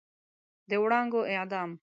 د وړانګو اعدام